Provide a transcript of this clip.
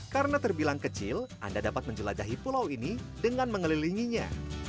karena terbilang kecil anda dapat menjelajahi pulau ini dengan mengelilinginya